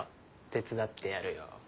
手伝ってやるよ。